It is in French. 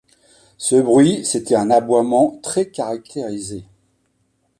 Ce bruit, c’était un aboiement très-caractérisé.